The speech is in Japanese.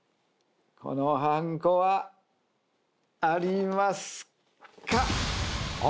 このはんこはありますか？